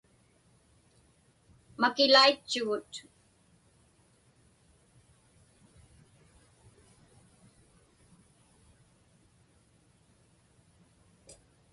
Makiḷaitchugut.